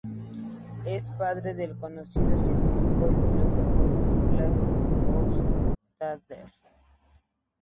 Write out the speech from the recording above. Es padre del conocido científico y filósofo Douglas Hofstadter.